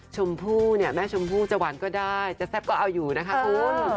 ชมพู่เนี่ยแม่ชมพู่จะหวานก็ได้จะแซ่บก็เอาอยู่นะคะคุณ